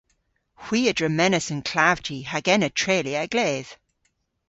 Hwi a dremenas an klavji hag ena treylya a-gledh.